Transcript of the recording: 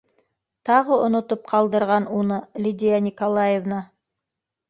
Тағы онотоп ҡалдырған уны Лидия Николаевна!